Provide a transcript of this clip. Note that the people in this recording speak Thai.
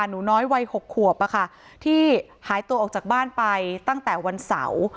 หนูน้อยวัย๖ขวบที่หายตัวออกจากบ้านไปตั้งแต่วันเสาร์